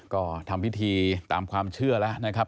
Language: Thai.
ก็ทำพิธีตามความเชื่อแล้วนะครับ